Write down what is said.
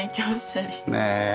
ねえ。